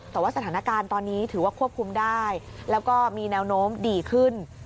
แต่ว่าสถานการณ์ตอนนี้ถือว่าควบคุมได้แล้วก็มีแนวโน้มดีขึ้น